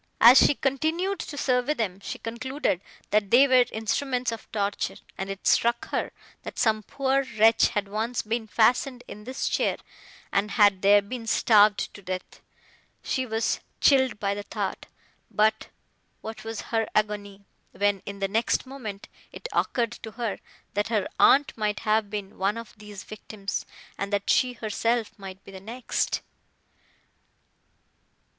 As she continued to survey them, she concluded, that they were instruments of torture, and it struck her, that some poor wretch had once been fastened in this chair, and had there been starved to death. She was chilled by the thought; but, what was her agony, when, in the next moment, it occurred to her, that her aunt might have been one of these victims, and that she herself might be the next!